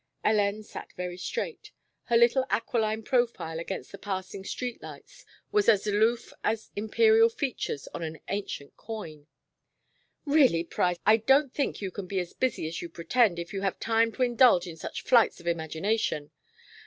Hélène sat very straight. Her little aquiline profile against the passing street lights was as aloof as imperial features on an ancient coin. "Really, Price, I don't think you can be as busy as you pretend if you have time to indulge in such flights of imagination.